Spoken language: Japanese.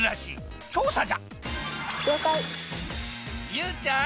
ゆうちゃん